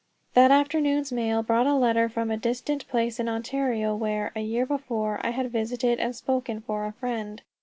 That afternoon's mail brought a letter from a distant place in Ontario where, a year before, I had visited and spoken for a friend.